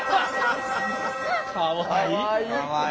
かわいい。